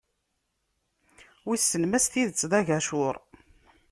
Wissen ma s tidet d agacur.